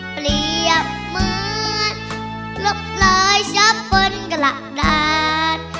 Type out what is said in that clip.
เปรียบเหมือนลบเลยช้าเป็นกระดาษ